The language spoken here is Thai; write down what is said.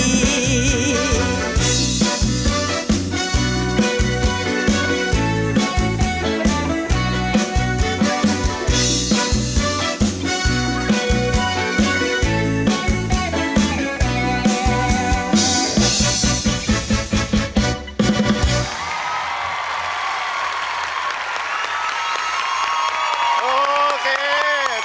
มีนิทานนมนานกะเลปูมีตาข้างตัวใหญ่สะมิมี